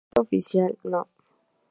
Gaceta Oficial No.